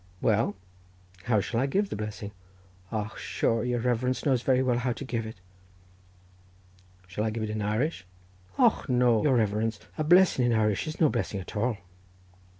"Well, how shall I give the blessing?" "Och, sure your reverence knows very well how to give it." "Shall I give it in Irish?" "Och, no, your reverence—a blessing in Irish is no blessing at all."